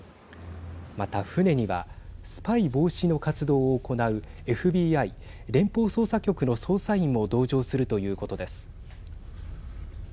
また船にはスパイ防止の活動を行うＦＢＩ＝連邦捜査局の捜査員も同乗するということです。